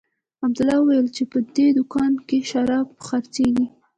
عبدالله وويل چې په دې دوکانو کښې شراب خرڅېږي.